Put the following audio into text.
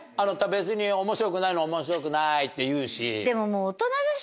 別に面白くないの面白くないって言うし。